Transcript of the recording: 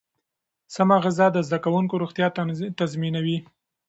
سمه غذا د زده کوونکو روغتیا تضمینوي.